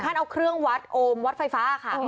เอาเครื่องวัดโอมวัดไฟฟ้าค่ะ